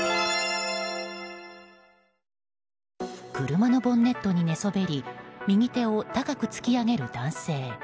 車のボンネットに寝そべり右手を高く突き上げる男性。